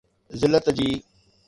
ذلت جي ".